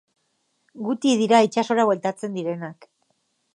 Gutxi dira itsasora bueltatzen direnak.